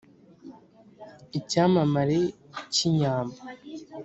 icyamamare cy’ inyambo,